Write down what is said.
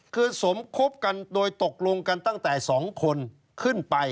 คือสมคบกันโดยตกลงกันตั้งแต่๒คนขึ้นไป